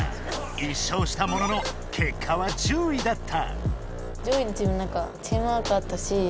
１しょうしたものの結果は１０位だった。